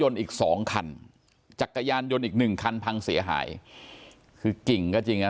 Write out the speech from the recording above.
อีกสองคันจักรยานยนต์อีกหนึ่งคันพังเสียหายคือกิ่งก็จริงนะ